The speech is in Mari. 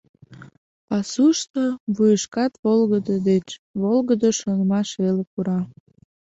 Пасушто вуйышкат волгыдо деч волгыдо шонымаш веле пура.